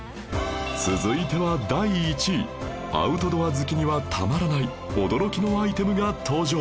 続いては第１位アウトドア好きにはたまらない驚きのアイテムが登場